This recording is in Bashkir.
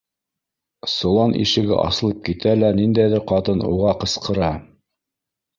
Солан ишеге асылып китә лә ниндәйҙер ҡатын уға ҡысҡыра: